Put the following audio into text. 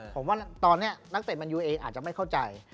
ผมว่าตอนนี้นักเตะแมนยูเองอาจจะไม่เข้าใจ